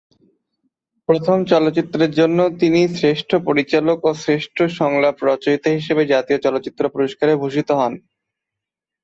প্রথম চলচ্চিত্রের জন্যই তিনি শ্রেষ্ঠ পরিচালক ও শ্রেষ্ঠ সংলাপ রচয়িতা হিসেবে জাতীয় চলচ্চিত্র পুরস্কারে ভূষিত হন।